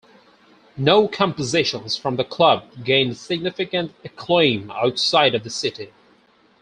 No compositions from the club gained significant acclaim outside of the city.